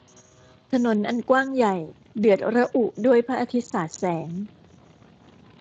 ถนนอันกว้างใหญ่ เดือดระอุด้วยพระอาทิตย์สาดแสง